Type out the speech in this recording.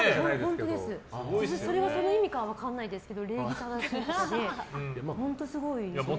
それはその意味か分からないですけど礼儀正しい方で本当にすごいです。